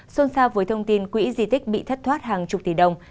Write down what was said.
xôn xa với thông tin quỹ di tích bị thất thoát hàng chục tỷ đồng